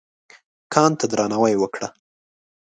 کان ته درناوی وکړه.